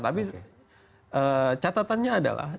tapi catatannya adalah